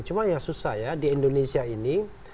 cuma ya susah ya di indonesia ini